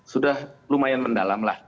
sudah lumayan mendalam lah